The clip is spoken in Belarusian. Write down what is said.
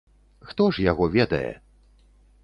Хто ж яго ведае?